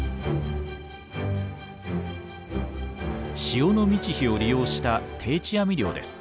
潮の満ち干を利用した定置網漁です。